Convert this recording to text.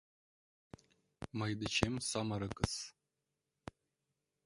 Мый дечем самырыкыс...